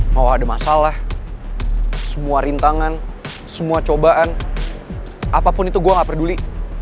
mau ada masalah semua rintangan semua cobaan apapun itu gue gak peduli